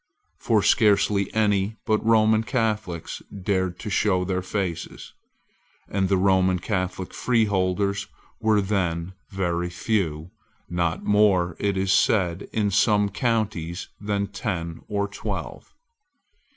For scarcely any but Roman Catholics dared to show their faces; and the Roman Catholic freeholders were then very few, not more, it is said, in some counties, than ten or twelve.